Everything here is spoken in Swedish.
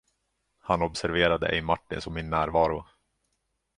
Han observerade ej Martins och min närvaro.